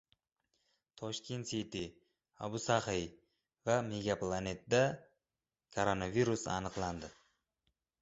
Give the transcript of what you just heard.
«Toshkent city», «Abu Saxiy» va «Megaplanet»da koronavirus aniqlandi